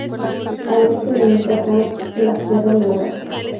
Al este limita con la sierra Nevada.